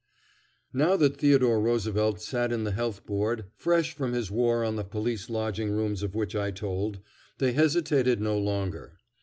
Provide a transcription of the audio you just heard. Now that Theodore Roosevelt sat in the Health Board, fresh from his war on the police lodging rooms of which I told, they hesitated no longer.